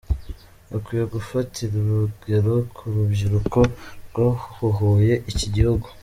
Bakwiye gufatira urugero ku rubyiruko rwabohoye iki gihugu.